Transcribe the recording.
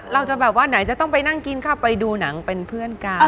เราจะแบบว่าไหนจะต้องไปนั่งกินเข้าไปดูหนังเป็นเพื่อนกัน